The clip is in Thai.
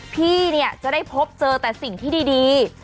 พี่เนี่ยจะได้พบเจอแต่สิ่งที่ดี